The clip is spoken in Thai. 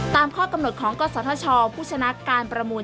ตามข้อกำหนดของกศธชผู้ชนะการประมูล